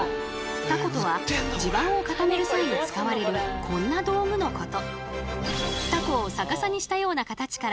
「タコ」とは地盤を固める際に使われるこんな道具のこと。